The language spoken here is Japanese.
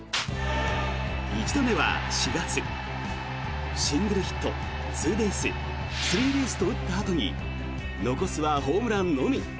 １度目は４月シングルヒット、ツーベーススリーベースと打ったあとに残すはホームランのみ。